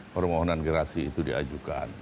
pengohonan gerasi itu diajukan